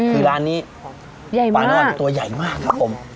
คือร้านนี้ปลาน้ำมันตัวใหญ่มากครับผม